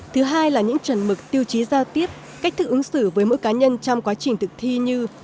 thứ hai là những chuẩn mực tiêu chí giao tiếp cách thức ứng xử với mỗi cá nhân trong quá trình thực thi như